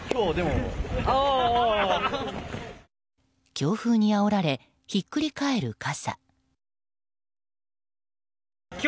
強風にあおられひっくり返る傘。